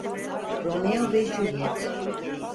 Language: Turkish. Romeo ve Juliet.